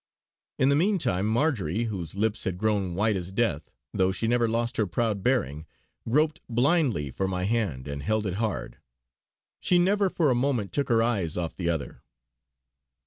In the meantime Marjory, whose lips had grown white as death, though she never lost her proud bearing, groped blindly for my hand and held it hard. She never for a moment took her eyes off the other.